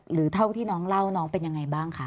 เท่าที่น้องเล่าน้องเป็นยังไงบ้างคะ